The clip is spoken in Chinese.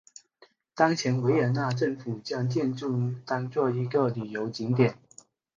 当前维也纳政府将建筑当作一个旅游景点。